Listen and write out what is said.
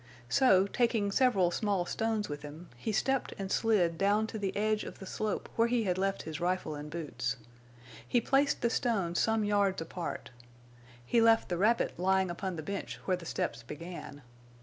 So, taking several small stones with him, he stepped and slid down to the edge of the slope where he had left his rifle and boots. He placed the stones some yards apart. He left the rabbit lying upon the bench where the steps began.